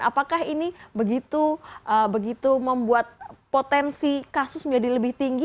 apakah ini begitu membuat potensi kasus menjadi lebih tinggi